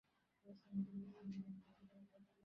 সানন্দচিত্তে অনতিবিলম্বে গাড়ি চড়িয়া যাত্রা করিলেন।